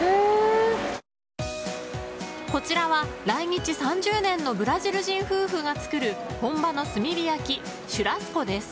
こちらは来日３０年のブラジル人夫婦が作る本場の炭火焼き、シュラスコです。